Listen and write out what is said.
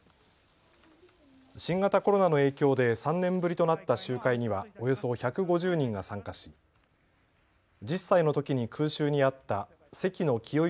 新型コロナの影響で３年ぶりとなった集会にはおよそ１５０人が参加し１０歳のときに空襲に遭った関野清